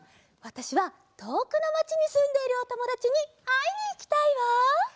わたしはとおくのまちにすんでいるおともだちにあいにいきたいわ。